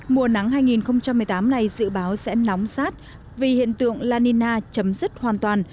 mùa nắng hai nghìn một mươi tám này dự báo sẽ nóng sát vì hiện tượng la nina chấm dứt hoàn toàn